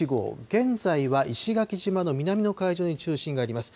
現在は石垣島の南の海上に中心があります。